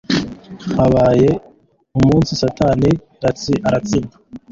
habaye umjunsi satani ratsindwa